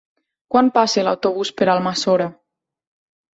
Quan passa l'autobús per Almassora?